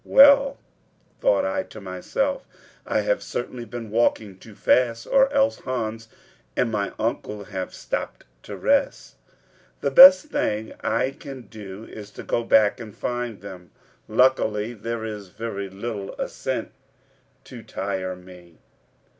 "Well," thought I to myself, "I have certainly been walking too fast or else Hans and my uncle have stopped to rest. The best thing I can do is to go back and find them. Luckily, there is very little ascent to tire me."